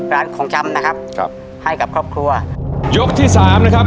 ร้านของชำนะครับครับให้กับครอบครัวยกที่สามนะครับ